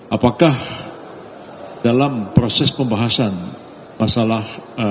apakah dalam proses pembahasan masalah